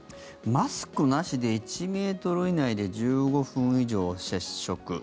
マスクなしで１ｍ以内で１５分以上接触。